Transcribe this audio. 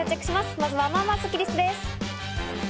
まずは、まあまあスッキりすです。